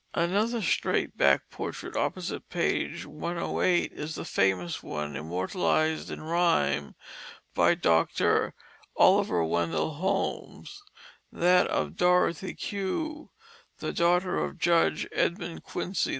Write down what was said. Another straight backed portrait, opposite page 108, is the famous one immortalized in rhyme by Dr. Oliver Wendell Holmes, that of "Dorothy Q.," the daughter of Judge Edmund Quincy.